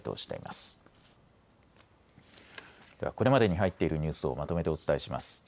では、これまでに入っているニュースをまとめてお伝えします。